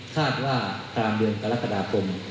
คาดว่ากลางเดือนกรกฎาคม